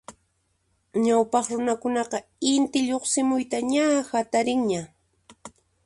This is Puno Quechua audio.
Ñawpaq runakunaqa Inti lluqsimuyta ña hatariranña.